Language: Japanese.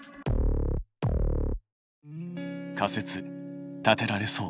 仮説立てられそう？